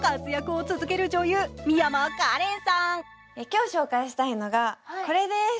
今日紹介したのが、これです